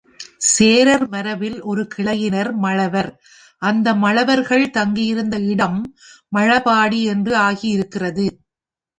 சேரர் மரபில் ஒரு கிளையினர் மழவர், அந்த மழவர்கள் தங்கியிருந்த இடம் மழபாடி என்று ஆகியிருக்கிறது.